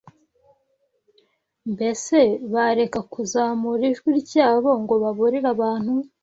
Mbese bareka kuzamura ijwi ryabo ngo baburire abantu?